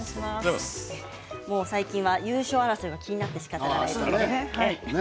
最近は優勝争いが気になってしかたがないんですよね。